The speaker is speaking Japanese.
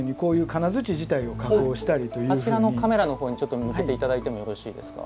あちらのカメラのほうにちょっと向けて頂いてもよろしいですか。